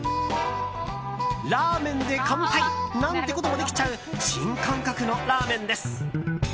ラーメンで乾杯なんてこともできちゃう新感覚のラーメンです。